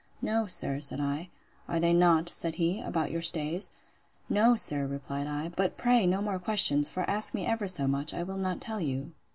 No, sir, said I. Are they not, said he, about your stays? No, sir, replied I: But pray no more questions: for ask me ever so much, I will not tell you.